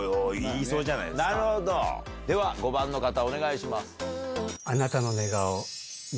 では５番の方お願いします。